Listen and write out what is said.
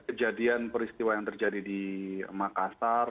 kejadian peristiwa yang terjadi di makassar